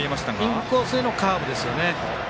インコースへのカーブですね。